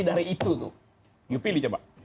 dari itu tuh pilih coba